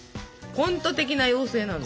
コント的な妖精なんだ？